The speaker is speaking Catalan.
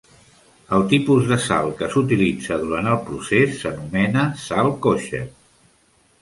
El tipus de sal que s'utilitza durant el procés s'anomena sal kosher.